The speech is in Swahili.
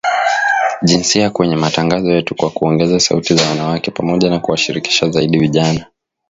jinsia kwenye matangazo yetu kwa kuongeza sauti za wanawake, pamoja na kuwashirikisha zaidi vijana